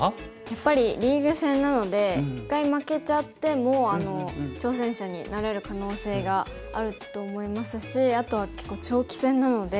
やっぱりリーグ戦なので一回負けちゃっても挑戦者になれる可能性があると思いますしあとは結構長期戦なので。